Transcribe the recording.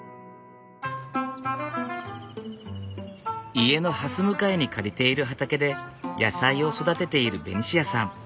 家のはす向かいに借りている畑で野菜を育てているベニシアさん。